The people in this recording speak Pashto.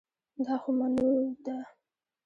دا خو منو ده